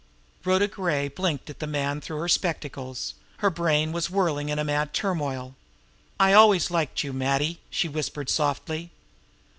Rhoda Gray blinked at the man through her spectacles; her brain was whirling in a mad turmoil. "I always liked you, Matty," she whispered softly.